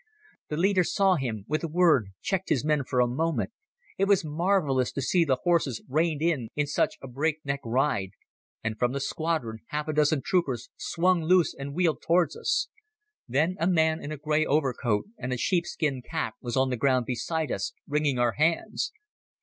The leader saw him, with a word checked his men for a moment—it was marvellous to see the horses reined in in such a break neck ride—and from the squadron half a dozen troopers swung loose and wheeled towards us. Then a man in a grey overcoat and a sheepskin cap was on the ground beside us wringing our hands.